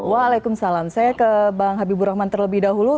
waalaikumsalam saya ke bang habibur rahman terlebih dahulu